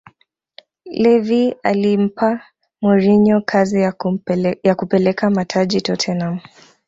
levvy alimpa mourinho kazi ya kupeleka mataji tottenham